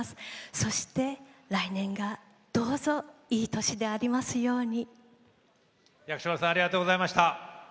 そして、来年がどうぞいい年でありますように。